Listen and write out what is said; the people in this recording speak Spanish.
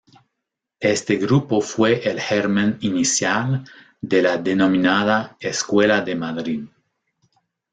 Este grupo fue el germen inicial de la denominada Escuela de Madrid.